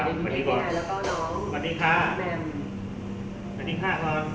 สวัสดีค่ะ